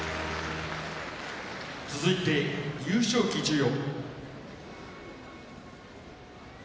続いて優勝旗授与。